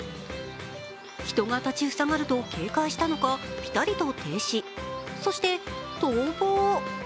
人が立ちふさがると警戒したのかピタリと停止、そして逃亡。